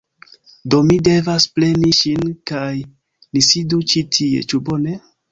Do mi devas preni ŝin kaj ni sidu ĉi tie. Ĉu bone?